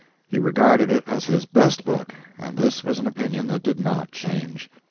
He regarded it as his best book, and this was an opinion that did not change.